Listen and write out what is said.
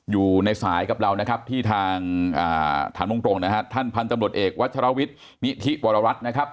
อยู่ในสายกับเรานะครับที่ทางถามตรงนะฮะท่านพันธุ์ตำรวจเอกวัชรวิทย์นิธิวรรัฐนะครับ